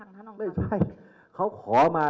ไม่ใช่เขาขอมา